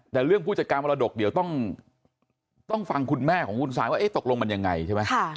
แต่เรื่องผู้จัดการมรดกเดี๋ยวต้องฟังคุณแม่ของคุณซายว่าตกลงมันยังไงใช่ไหม